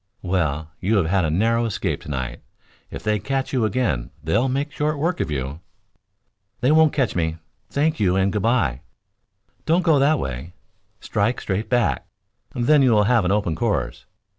"Well, you have had a narrow escape tonight. If they catch you again they'll make short work of you." "They won't catch me. Thank you and good bye." "Don't go that way. Strike straight back; then you will have an open course."